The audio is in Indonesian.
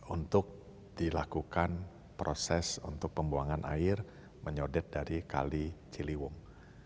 untuk dilakukan proses untuk pembuangan air menyodet dari kali ciliwung